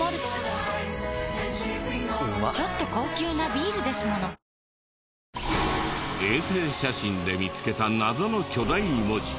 ちょっと高級なビールですもの衛星写真で見つけた謎の巨大文字。